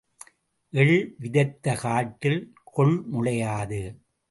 எள் விதைத்த காட்டில் கொள் முளையாது.